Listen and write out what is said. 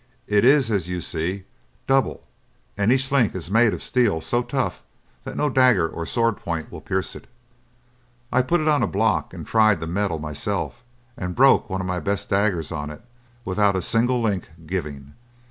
It is, as you see, double, and each link is made of steel so tough that no dagger or sword point will pierce it. I put it on a block and tried the metal myself, and broke one of my best daggers on it without a single link giving.